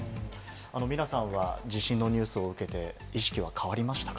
皆さんは、地震のニュースを受けて、意識は変わりましたか？